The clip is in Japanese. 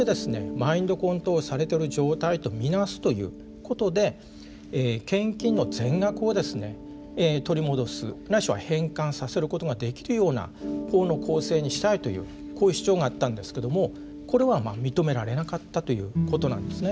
マインドコントロールされてる状態と見なすということで献金の全額をですね取り戻すないしは返還させることができるような法の構成にしたいというこういう主張があったんですけどもこれはまあ認められなかったということなんですね。